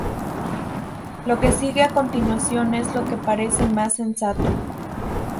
Lo que sigue a continuación es lo que parece más sensato.